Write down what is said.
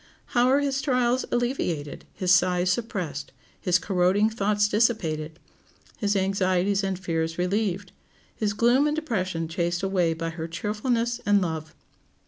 How are his trials alleviated, his sighs suppressed, his corroding thoughts dissipated, his anxieties and fears relieved, his gloom and depression chased away by her cheerfulness and love!